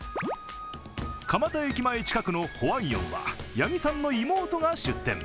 蒲田駅前近くのホアンヨンは八木さんの妹が出店。